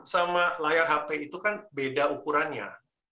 sama layar hp itu kan beda ukurannya